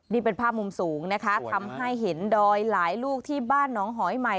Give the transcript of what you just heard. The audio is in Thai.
นี่เป็นภาพมุมสูงนะคะทำให้เห็นดอยหลายลูกที่บ้านน้องหอยใหม่